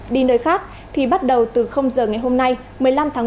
đi nơi khác thì bắt đầu từ giờ ngày hôm nay một mươi năm tháng một mươi